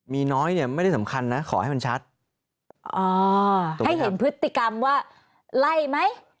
มีน้อยเนี่ยไม่ได้สำคัญนะขอให้มันชัดอ๋อให้เห็นพฤติกรรมว่าไล่ไหม